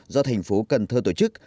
do thành phố cần thơ tổ chức